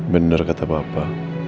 bener kata papa